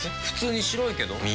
普通に白いけど。